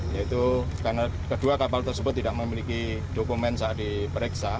yaitu karena kedua kapal tersebut tidak memiliki dokumen saat diperiksa